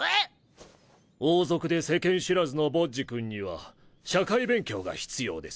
王族で世間知らずのボッジ君には社会勉強が必要です。